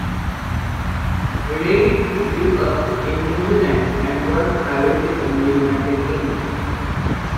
Reid grew up in New Zealand and worked privately in the United Kingdom.